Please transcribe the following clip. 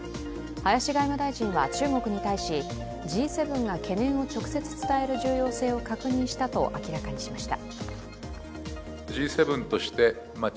林外務大臣は中国に対しＧ７が懸念を直接伝える重要性を確認したと明らかにしました。